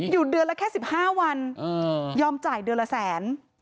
เดือนละแค่๑๕วันยอมจ่ายเดือนละแสน